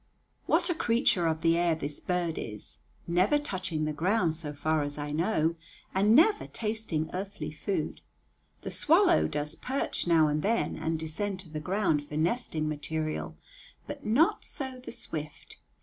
What a creature of the air this bird is, never touching the ground, so far as I know, and never tasting earthly food! The swallow does perch now and then and descend to the ground for nesting material, but not so the swift.